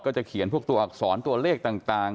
จะเขียนพวกตัวอักษรตัวเลขต่าง